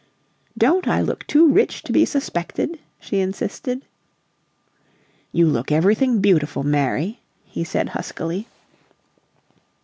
"Don't I look too rich to be suspected?" she insisted. "You look everything beautiful, Mary," he said, huskily.